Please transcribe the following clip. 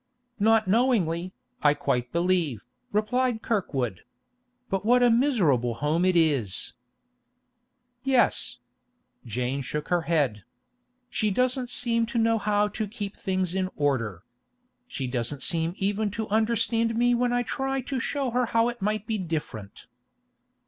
'Not knowingly, I quite believe,' replied Kirkwood. 'But what a miserable home it is!' 'Yes.' Jane shook her head. 'She doesn't seem to know how to keep things in order. She doesn't seem even to understand me when I try to show her how it might be different.